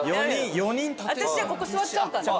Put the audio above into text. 私ここ座っちゃおうかな。